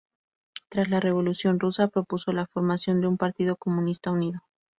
Tras la Revolución rusa, propuso la formación de un partido comunista unido.